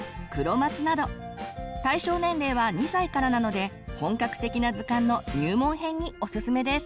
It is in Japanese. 対象年齢は２歳からなので本格的な図鑑の入門編におすすめです。